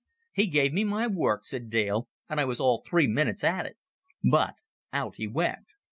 "He gave me my work," said Dale; "and I was all three minutes at it. But out he went."